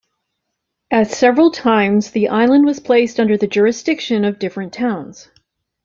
At several times the island was placed under the jurisdiction of different towns.